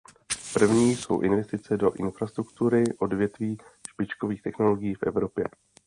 První jsou investice do infrastruktury odvětví špičkových technologií v Evropě.